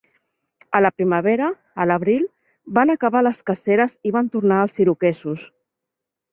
A la primavera, a l'abril, van acabar les caceres i van tornar els iroquesos.